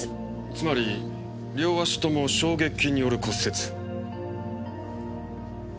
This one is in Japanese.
つまり両足共衝撃による骨折。